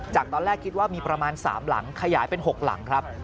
ตอนแรกคิดว่ามีประมาณ๓หลังขยายเป็น๖หลังครับ